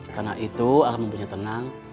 karena itu akan membuatnya tenang